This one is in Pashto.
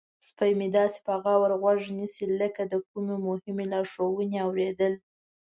سپی مې داسې په غور غوږ نیسي لکه د کومې مهمې لارښوونې اوریدل.